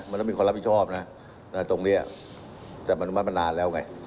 มันต้องมีความรับผิดชอบนะตรงนี้แต่มันอนุมัติมานานแล้วไง